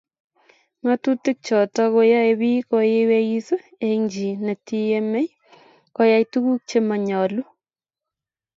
ngatutik chutok ko yae piik koyweis eng' chii netiemei koyai tuguk che manyalu